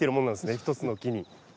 １つの木に。